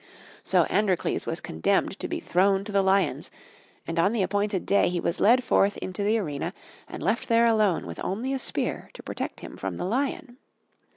So Androcles was condemned to be thrown to the lions, and on the appointed day he was led forth into the Arena and left there alone with only a spear to protect him from the lion.